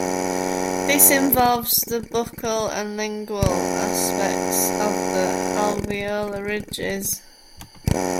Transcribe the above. This involves the buccal and lingual aspects of the alveolar ridges.